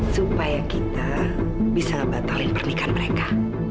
supaya kita bisa batalin pernikahan mereka